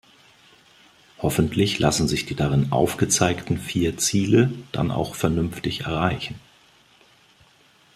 Hoffentlich lassen sich die darin aufgezeigten vier Ziele dann auch vernünftig erreichen.